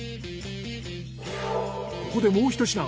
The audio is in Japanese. ここでもうひと品。